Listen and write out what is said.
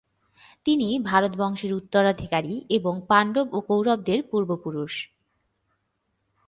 তিনি ভারত বংশের উত্তরাধিকারী এবং পাণ্ডব ও কৌরবদের পূর্বপুরুষ।